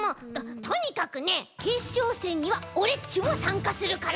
とにかくねけっしょうせんにはオレっちもさんかするから！